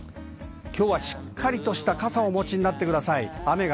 しっかりとした傘をお持ちになってください。